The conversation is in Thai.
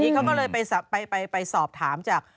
เขาก็เลยไปสอบถามจาก